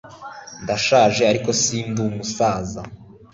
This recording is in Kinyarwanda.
ndashaje, ariko sindi umusaza